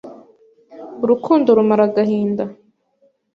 Urukundo rumara agahinda.